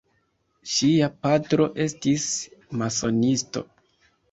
Ŝia patro estis masonisto.